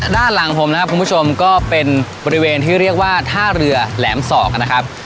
ด้านหลังผมนะครับคุณผู้ชมก็เป็นบริเวณที่เรียกว่าท่าเรือแหลมศอกนะครับ